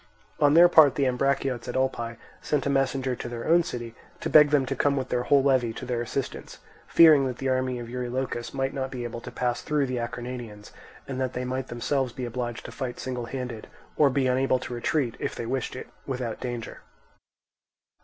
On their part, the Ambraciots at Olpae sent a messenger to their own city, to beg them to come with their whole levy to their assistance, fearing that the army of Eurylochus might not be able to pass through the Acarnanians, and that they might themselves be obliged to fight single handed, or be unable to retreat, if they wished it, without danger.